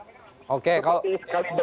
seperti sekali berbio farma gitu